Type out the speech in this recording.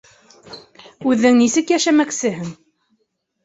- Үҙең нисек йәшәмәксеһең?